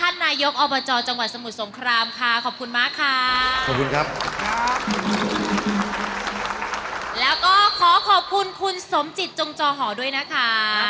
วันนี้ก็ต้องขอขอบคุณมากเลยค่ะ